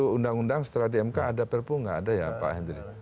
kalau undang undang setelah di mk ada perpu nggak ada ya pak henry